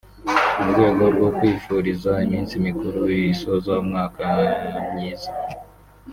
mu rwego rwo kuzifuriza iminsi mikuru isoza umwaka myiza